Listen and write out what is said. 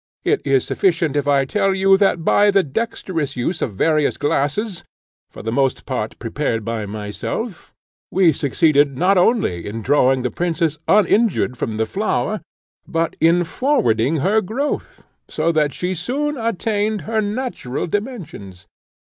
It is sufficient if I tell you that by the dexterous use of various glasses for the most part prepared by myself we succeeded not only in drawing the princess uninjured from the flower, but in forwarding her growth, so that she soon attained her natural dimensions.